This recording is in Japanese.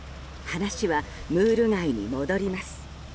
話はムール貝に戻ります。